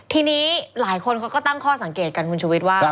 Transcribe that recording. ทีนี้หลายคนเขาก็ตั้งข้อสังเกตกันคุณชุวิตว่า